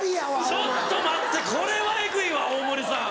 ちょっと待ってこれはエグいわ大盛さん。